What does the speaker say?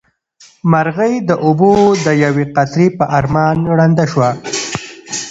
مرغۍ د اوبو د یوې قطرې په ارمان ړنده شوه.